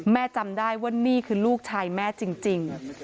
จำได้ว่านี่คือลูกชายแม่จริง